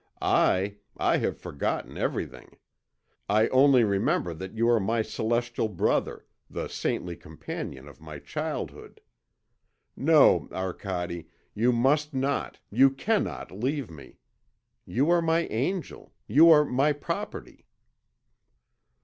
I, I have forgotten everything. I only remember that you are my celestial brother, the saintly companion of my childhood. No, Arcade, you must not, you cannot leave me. You are my angel; you are my property."